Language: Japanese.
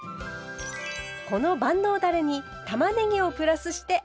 この万能だれにたまねぎをプラスしてアレンジ。